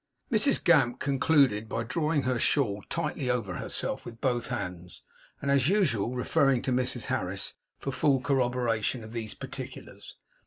Mrs Gamp concluded by drawing her shawl tightly over herself with both hands, and, as usual, referring to Mrs Harris for full corroboration of these particulars.